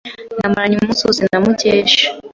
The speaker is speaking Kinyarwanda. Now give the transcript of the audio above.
Namaranye umunsi wose na Mukesha.